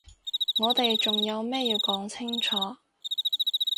我哋仲有咩要講清楚？